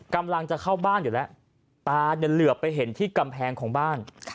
กำลังจะเข้าบ้านอยู่แล้วตาเนี่ยเหลือไปเห็นที่กำแพงของบ้าน